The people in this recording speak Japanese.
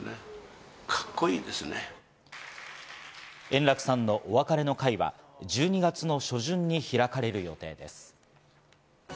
円楽さんのお別れの会は１２月の初旬に開かれる予定です。